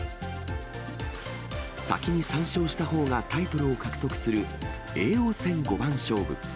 先に３勝したほうがタイトルを獲得する、叡王戦五番勝負。